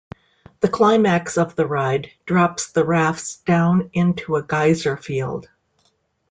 The climax of the ride drops the rafts down into a geyser field.